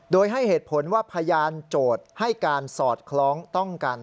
โดยให้เหตุผลว่าพยานโจทย์ให้การสอดคล้องต้องกัน